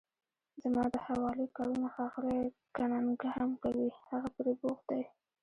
زما د حوالې کارونه ښاغلی کننګهم کوي، هغه پرې بوخت دی.